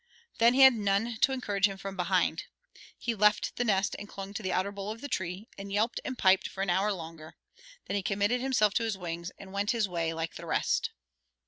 Then he had none to encourage him from behind. He left the nest and clung to the outer bowl of the tree, and yelped and piped for an hour longer; then he committed himself to his wings and went his way like the rest.